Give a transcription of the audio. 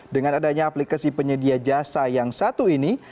dengan adanya aplikasi penyedia jasa yang satu ini